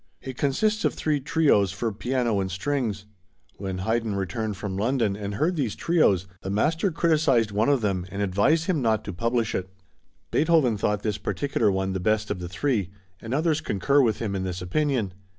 It consists of three Trios for piano and strings. When Haydn returned from London and heard these Trios, the master criticised one of them and advised him not to publish it. Beethoven thought this particular one the best of the three, and others concur with him in this opinion.